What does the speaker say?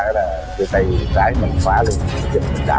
cái tay trái mình phá lên mình đạp cái súng này dạy ra